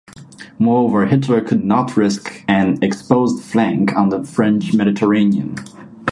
Moreover, Hitler could not risk an exposed flank on the French Mediterranean.